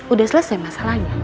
udah selesai masalahnya